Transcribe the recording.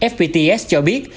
fpts cho biết